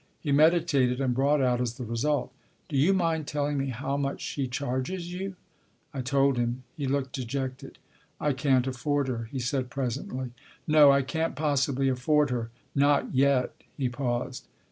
He meditated, and brought out as the result : "Do you mind telling me how much she charges you ?" I told him. He looked dejected. " I can't afford her," he said presently. "No. I can't possibly afford her. Not yet." He paused.